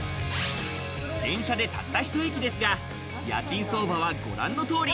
電車でたった１駅ですが、家賃相場はご覧の通り。